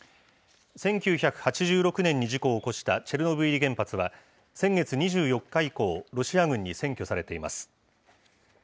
１９８６年に事故を起こしたチェルノブイリ原発は、先月２４日以降、ロシア軍に占拠されています。